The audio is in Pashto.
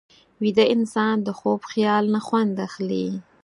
ویده انسان د خوب خیال نه خوند اخلي